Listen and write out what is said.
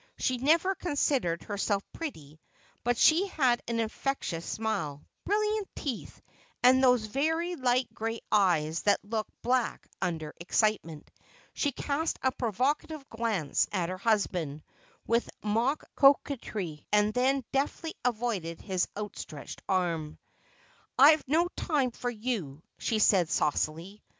She never considered herself pretty, but she had an infectious smile, brilliant teeth, and those very light gray eyes that look black under excitement. She cast a provocative glance at her husband, with mock coquetry, and then deftly avoided his outstretched arm. "I've no time for you," she said saucily.